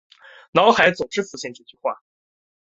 脑海总是浮现这句话